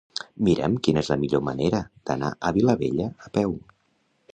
Mira'm quina és la millor manera d'anar a Vilabella a peu.